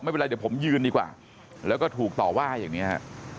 ไม่เป็นไรเดี๋ยวผมยืนดีกว่าแล้วก็ถูกต่อว่าอย่างนี้ฮะ